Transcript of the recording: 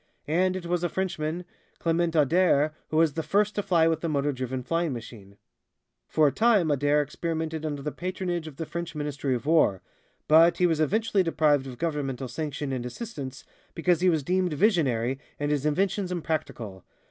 And it was a Frenchman, Clement Ader, who was the first to fly with a motor driven flying machine. For a time Ader experimented under the patronage of the French Ministry of War, but he was eventually deprived of Governmental sanction and assistance because he was deemed visionary, and his inventions impractical.